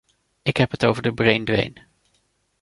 Ik heb het over de braindrain.